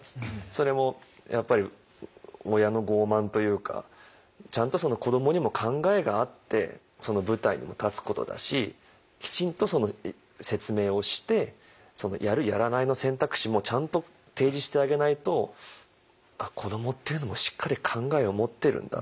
それもやっぱり親の傲慢というかちゃんと子どもにも考えがあって舞台にも立つことだしきちんとその説明をしてやるやらないの選択肢もちゃんと提示してあげないと子どもっていうのもしっかり考えを持ってるんだ